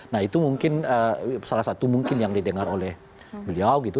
nah itu mungkin salah satu mungkin yang didengar oleh beliau gitu